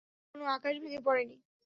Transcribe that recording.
এতে কোন আকাশ ভেঙ্গে পড়েনি।